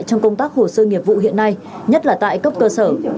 trong công tác hồ sơ nghiệp vụ hiện nay nhất là tại cấp cơ sở